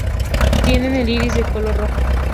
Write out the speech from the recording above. Tienen el iris de color rojo.